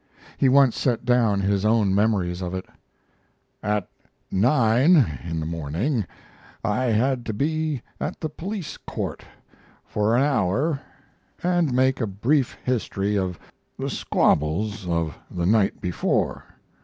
He once set down his own memories of it: At nine in the morning I had to be at the police court for an hour and make a brief history of the squabbles of the night before.